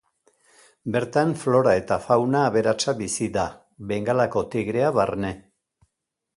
Bertan flora eta fauna aberatsa bizi da, Bengalako tigrea barne.